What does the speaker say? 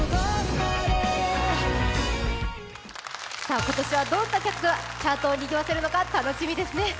今年はどんな曲がチャートをにぎわせるのか楽しみですね。